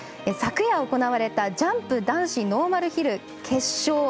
昨夜行われたジャンプ男子ノーマルヒル決勝。